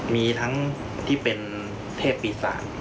มีทั้งที่เป็นเทพปีศาจ